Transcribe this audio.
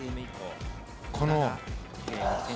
この。